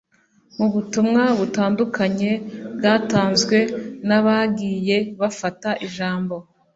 Mu butumwa butandukanye bwatanzwe n’abagiye bafata ijambo